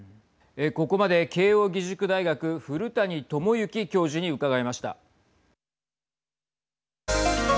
ここまで、慶應義塾大学古谷知之教授に伺いました。